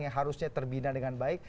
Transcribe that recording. yang harusnya terbina dengan baik